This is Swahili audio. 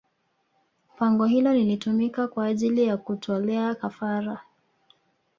Pango hilo lilitumika kwa ajili ya kutolea kafara